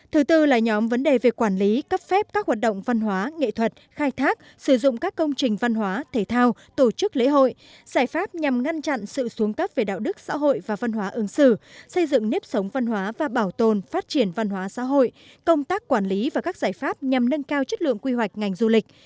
thứ tư là nhóm vấn đề về quản lý cấp phép các hoạt động văn hóa nghệ thuật khai thác sử dụng các công trình văn hóa thể thao tổ chức lễ hội giải pháp nhằm ngăn chặn sự xuống cấp về đạo đức xã hội và văn hóa ứng xử xây dựng nếp sống văn hóa và bảo tồn phát triển văn hóa xã hội công tác quản lý và các giải pháp nhằm nâng cao chất lượng quy hoạch ngành du lịch